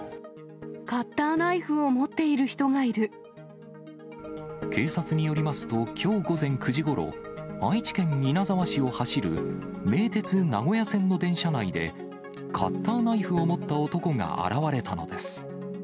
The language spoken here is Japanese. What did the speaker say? カッターナイフを持っている警察によりますと、きょう午前９時ごろ、愛知県稲沢市を走る名鉄名古屋線の電車内で、カッターナイフを持った男が現れたのです。